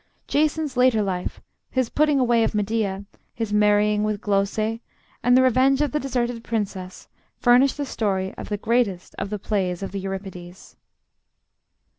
Jason's later life, his putting away of Medea, his marriage with Glauce, and the revenge of the deserted princess, furnish the story of the greatest of the plays of Euripides.